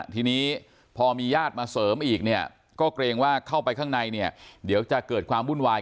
ทีนี้พอมีญาติมาเสริมอีกเนี่ยก็เกรงว่าเข้าไปข้างในเนี่ยเดี๋ยวจะเกิดความวุ่นวาย